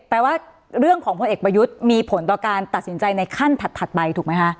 แปลว่าเรื่องของพลเอกประยุทธ์มีผลต่อการตัดสินใจในขั้นถัดไปถูกไหมคะ